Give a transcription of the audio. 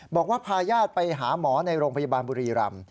บอกว่าพาญาติไปหาหมอในโรงพยาบาลบุรีรัม